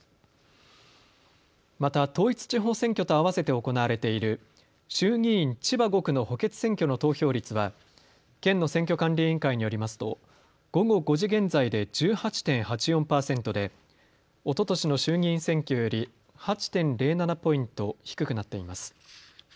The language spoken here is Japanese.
また統一地方選挙とあわせて行われている衆議院千葉５区の補欠選挙の投票率は県の選挙管理委員会によりますと午後５時現在で１８．８４％でおととしの衆議院選挙より８．０７ポイント低くなっています。